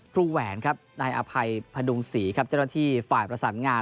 แหวนครับนายอภัยพดุงศรีครับเจ้าหน้าที่ฝ่ายประสานงาน